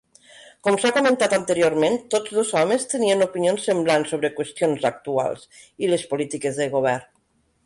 Com s'ha comentat anteriorment, tots dos homes tenien opinions semblants sobre qüestions actuals i les polítiques del govern.